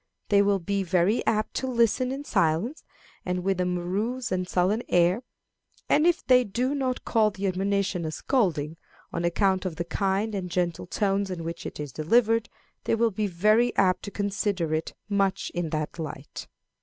They will be very apt to listen in silence, and with a morose and sullen air; and if they do not call the admonition a scolding, on account of the kind and gentle tones in which it is delivered, they will be very apt to consider it much in that light.